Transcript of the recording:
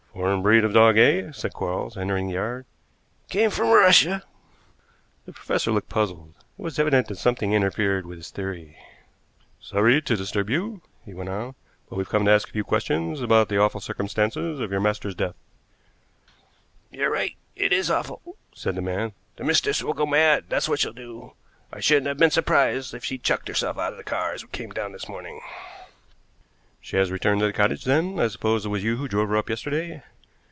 "Foreign breed of dog, eh?" said Quarles, entering the yard. "Came from Russia." The professor looked puzzled. It was evident that something interfered with his theory. "Sorry to disturb you," he went on, "but we've come to ask a few questions about the awful circumstances of your master's death." "You're right, it is awful," said the man. "The mistress will go mad, that's what she'll do. I shouldn't have been surprised if she'd chucked herself out of the car as we came down this morning." "She has returned to the cottage, then? I suppose it was you who drove her up yesterday?"